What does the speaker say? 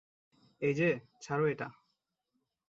এইযে, ছাড় এটা।